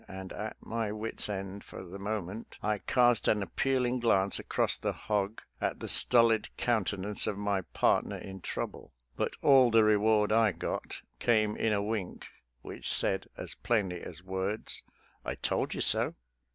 and at my wit's end for the moment, I cast an appealing glance across the hog at the stolid countenance of my partner in trouble, but all the reward I got came in a wink which said as plainly as words, " I told you so."